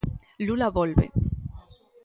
Lula volve.